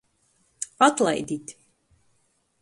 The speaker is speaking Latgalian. Atlaidit!